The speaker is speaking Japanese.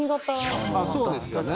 そうですよね。